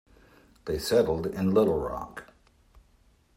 They settled in Little Rock.